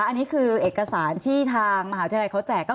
อันนี้คือเอกสารที่ทางมหาวิทยาลัยเขาแจก